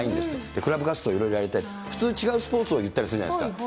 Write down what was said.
クラブ活動いろいろやりたい、普通、違うスポーツいったりするじゃないですか。